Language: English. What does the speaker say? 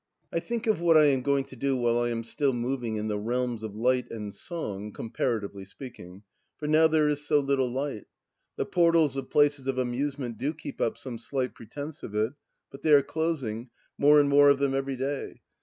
I think of what I am going to do while I am still moving in the realms of light and song (comparatively speaking). For now there is so little light. The portals of places of amusement do keep up some slight pretence of it, but they are closing, more and more of them every day.